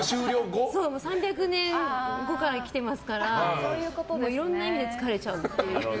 ３００年後から来てますからいろんな意味で疲れちゃう。